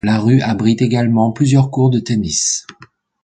La rue abrite également plusieurs courts de tennis.